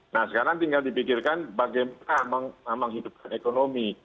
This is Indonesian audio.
nah sekarang tinggal dipikirkan bagaimana menghidupkan ekonomi